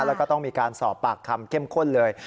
แล้วก็ต้องมีการสอบปากคำเข้มข้นเลย